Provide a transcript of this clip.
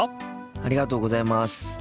ありがとうございます。